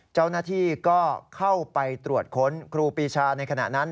เจ้าหน้าที่ก็เข้าไปตรวจค้นครูปีชาในขณะนั้น